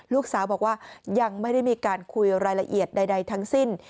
ลูกสาวบอกว่ายังไม่ได้มีการคุยรายละเอียดใดทั้งสิ้น